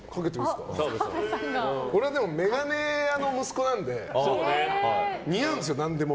俺は眼鏡屋の息子なので似合うんですよ、何でも。